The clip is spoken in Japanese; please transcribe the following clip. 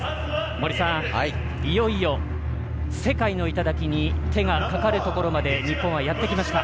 森さん、いよいよ世界の頂に手がかかるところまで日本はやってきました。